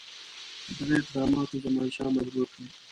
دغه اقداماتو زمانشاه مجبور کړ.